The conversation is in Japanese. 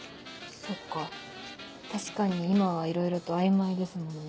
そっか確かに今はいろいろと曖昧ですもんね。